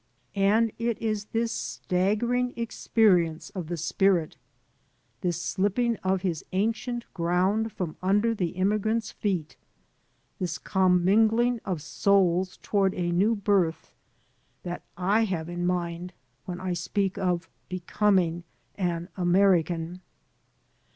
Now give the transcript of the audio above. And it is this staggering experience of the spirit— this sUpping of his ancient ground from under the immigrant's feet, this commingling of souls toward a new birth, that I have in mind when I speak of becoming an American.